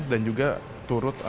dan juga turut